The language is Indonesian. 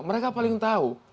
mereka paling tahu